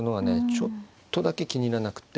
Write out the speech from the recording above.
ちょっとだけ気に入らなくって。